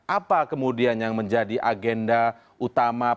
apa kemudian yang menjadi agenda utama